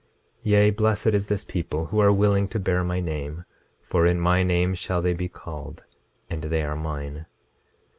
26:18 Yea, blessed is this people who are willing to bear my name; for in my name shall they be called; and they are mine.